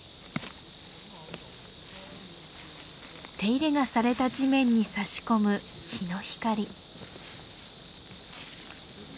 手入れがされた地面にさし込む陽の光。